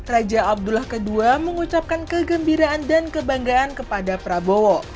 raja abdullah ii mengucapkan kegembiraan dan kebanggaan kepada prabowo